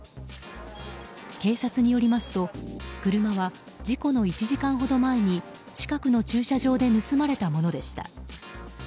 警察によりますと車は事故の１時間ほど前に近くの駐車場で盗まれたものでした。